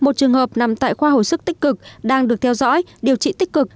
một trường hợp nằm tại khoa hồi sức tích cực đang được theo dõi điều trị tích cực